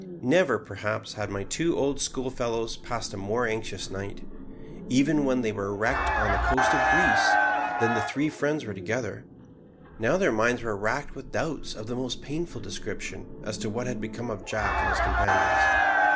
Never, perhaps, had my two old schoolfellows passed a more anxious night, even when they were wrecked on the coast of Greece; then the three friends were together; now their minds were racked with doubts of the most painful description as to what had become of Jack and his companions.